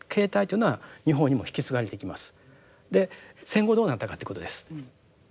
戦後どうなったかっていうことです。